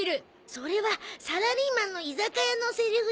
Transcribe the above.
それはサラリーマンの居酒屋のセリフでしょう？